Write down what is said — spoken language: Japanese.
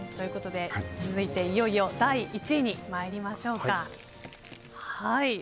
続いていよいよ第１位に参りましょう。